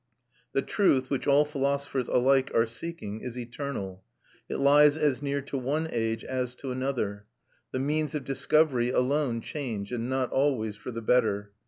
The truth, which all philosophers alike are seeking, is eternal. It lies as near to one age as to another; the means of discovery alone change, and not always for the better.